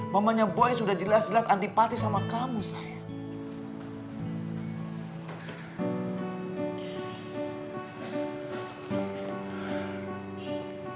mamanya boy sudah jelas jelas antipati sama kamu saya